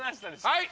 はい